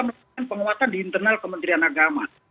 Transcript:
melakukan penguatan di internal kementerian agama